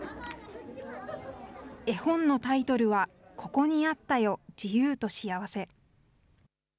絵本のタイトルは、ここにあったよ自由と幸せ。